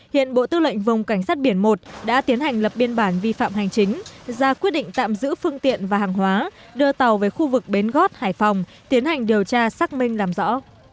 hiện bộ tư lệnh vùng cảnh sát biển một đã tiến hành lập biên bản vi phạm hành chính ra quyết định tạm giữ phương tiện và hàng hóa đưa tàu về khu vực bến gót hải phòng tiến hành điều tra xác minh làm rõ